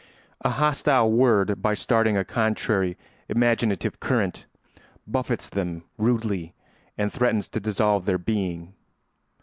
A hostile word, by starting a contrary imaginative current, buffets them rudely and threatens to dissolve their being.